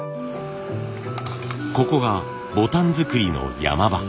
ここがボタン作りの山場。